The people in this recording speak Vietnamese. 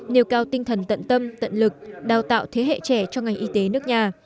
nêu cao tinh thần tận tâm tận lực đào tạo thế hệ trẻ cho ngành y tế nước nhà